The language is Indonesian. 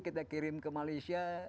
kita kirim ke malaysia